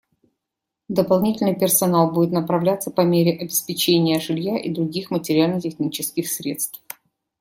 Дополнительный персонал будет направляться по мере обеспечения жилья и других материально-технических средств.